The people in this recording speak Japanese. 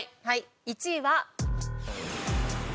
１位は。